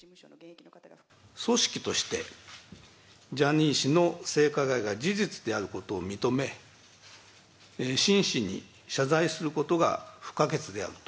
組織として、ジャニー氏の性加害が事実であることを認め、真摯に謝罪することが不可欠であると。